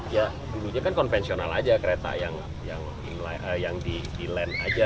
ya dulu kan konvensional saja kereta yang dilan aja